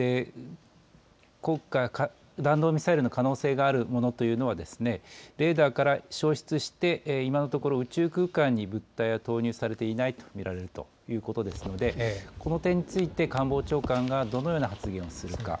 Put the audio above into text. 今回、弾道ミサイルの可能性のあるものは、レーダーから消失して、今のところ宇宙空間に物体は投入されていないと見られるということですので、この点について、官房長官がどのような発言をするか。